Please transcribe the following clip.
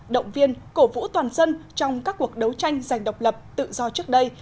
động viên cổ vũ toàn dân trong các cuộc đấu tranh giành độc lập tự do trước đây